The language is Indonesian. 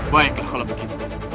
baiklah kalau begitu